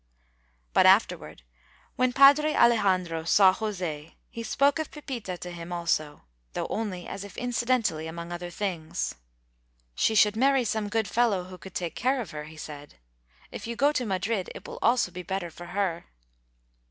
But afterward, when Padre Alejandro saw José, he spoke of Pepita to him also, though only as if incidentally among other things. "She should marry some good fellow who could take care of her," he said. "If you go to Madrid it will also be better for her."